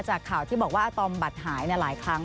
จากข่าวที่บอกว่าอาตอมบัตรหายหลายครั้ง